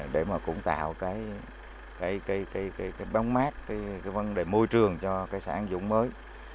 để mà cũng tạo cái bóng mát cái vấn đề môi trường cho xã an dũng mới